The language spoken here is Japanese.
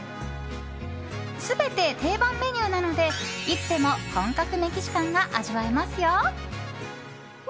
全て定番メニューなのでいつでも本格メキシカンが味わえますよ。